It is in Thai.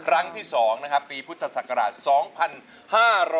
ครั้งที่๒นะครับปีพุทธศักราช๒๕๖๒